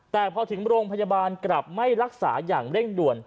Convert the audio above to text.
แต่พอถึงโรงพยาบาลกลับไม่รักษาอย่างเร่งด่วน